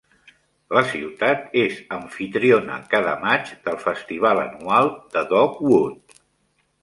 La ciutat és amfitriona cada maig del festival anual de Dogwood.